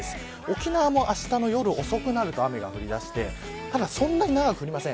沖縄もあしたの夜遅くなると雨が降りだしてただそんなに長く降りません。